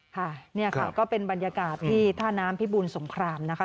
ค่ะเนี่ยค่ะก็เป็นบรรยากาศที่ท่าน้ำพิบูลสงครามนะคะ